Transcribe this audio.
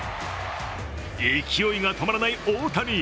勢いが止まらない大谷。